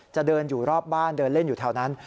จะเดินอยู่รอบบ้านเดินเล่นอยู่แถวนั้น